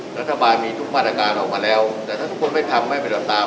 ว่าว่าตอนนี้ทุกบ้านอาการออกมาแล้วแต่ถ้าทุกคนไม่ทำไม่ไปด่วนตาม